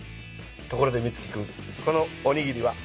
ところでミツキ君このおにぎりは？